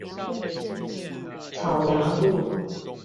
草衙路